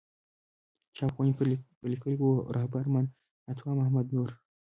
چاپ خونې پرې لیکلي وو رهبر من عطا محمد نور.